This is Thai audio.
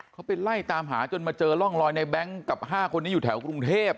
เขาไปไล่ตามหาจนมาเจอร่องรอยในแบงค์กับ๕คนนี้อยู่แถวกรุงเทพ